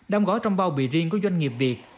đam gói trong bao bì riêng của doanh nghiệp việt